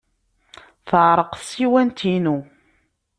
Teɛreq tsiwant-inu.